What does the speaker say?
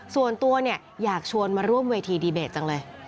ส่วนตัวเนี่ยอยากชวนมาร่วมเวทีดีเบตจังเลย